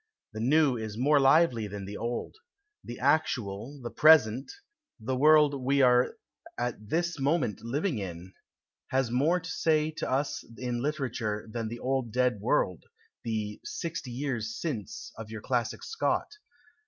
The new is more lively than the old. The actual, the present, the world we are at this moment living in, has more to say to us in literature than the old dead world, the ' sixty years since ' of your classic Scott.